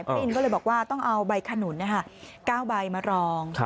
อินก็เลยบอกว่าต้องเอาใบขนุน๙ใบมารอง